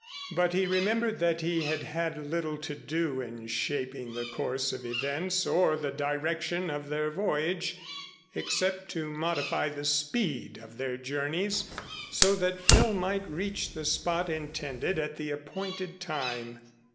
But he remembered that he had had little to do in shaping the course of events or the direction of their voyage, except to modify the speed of their journeys so that Phil might reach the spot intended at the appointed time.